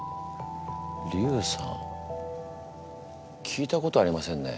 聞いたことありませんね。